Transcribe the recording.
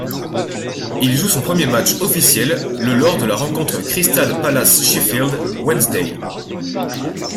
Il joue son premier match officiel le lors de la rencontre Crystal Palace-Sheffield Wednesday.